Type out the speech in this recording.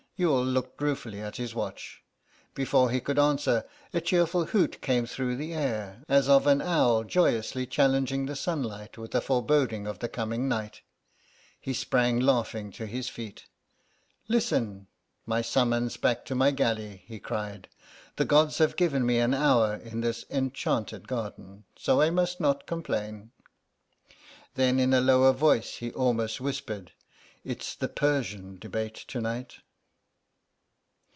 Youghal looked ruefully at his watch. Before he could answer, a cheerful hoot came through the air, as of an owl joyously challenging the sunlight with a foreboding of the coming night. He sprang laughing to his feet. "Listen! My summons back to my galley," he cried. "The Gods have given me an hour in this enchanted garden, so I must not complain." Then in a lower voice he almost whispered, "It's the Persian debate to night."